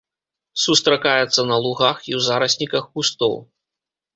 Сустракаецца на лугах і ў зарасніках кустоў.